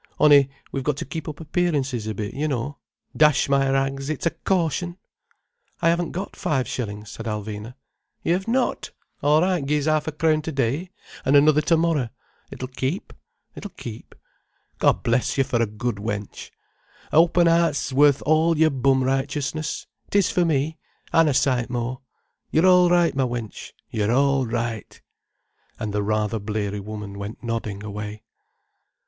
On'y we've got to keep up appearances a bit, you know. Dash my rags, it's a caution!" "I haven't got five shillings—" said Alvina. "Yer've not? All right, gi'e 's ha 'efcrown today, an' t'other termorrer. It'll keep, it'll keep. God bless you for a good wench. A' open 'eart 's worth all your bum righteousness. It is for me. An' a sight more. You're all right, ma wench, you're all right—" And the rather bleary woman went nodding away.